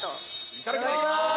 いただきます。